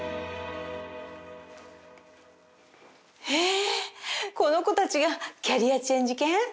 へぇこの子たちがキャリアチェンジ犬？